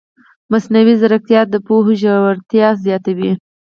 مصنوعي ځیرکتیا د پوهې ژورتیا زیاتوي.